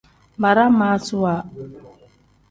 Baramaasuwa.